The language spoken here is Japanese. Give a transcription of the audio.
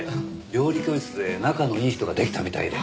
料理教室で仲のいい人ができたみたいで。